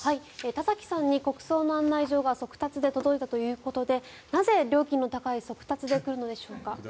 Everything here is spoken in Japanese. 田崎さんに国葬の案内状が速達で届いたということでなぜ料金の高い速達で来るんでしょうか？